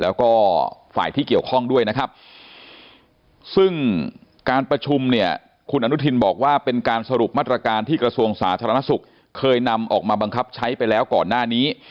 แล้วก็ฝ่ายที่เกี่ยวข้องด้วยนะครับซึ่งการประชุมเนี่ยคุณอนุทินบอกว่าเป็นการสรุปมาตรการที่กระทรวงสาธารณสุขเคยนำออกมาบังคับใช้ไปแล้วก่อนหน้านี้